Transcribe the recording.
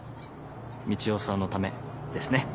みちおさんのためですね。